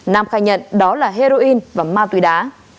nam khai nhận đó là heroin và ma túy đá